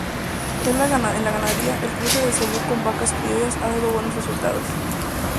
En la ganadería, el cruce de cebú con vacas criollas ha dado buenos resultados.